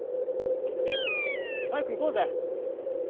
早く行こうぜ。